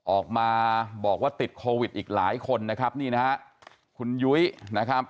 ออกมาบอกว่าติดโควิดอีกหลายคนนะครับนี่นะฮะคุณยุ้ยนะครับ